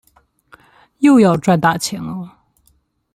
又要赚大钱啰